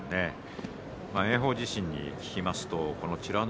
炎鵬自身に聞くと美ノ